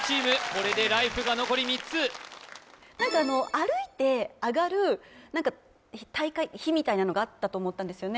これでライフが残り３つ歩いて上がる大会日みたいなのがあったと思ったんですよね